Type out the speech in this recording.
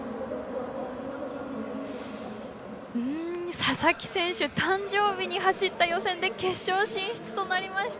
佐々木選手、誕生日に走った予選で決勝進出となりました。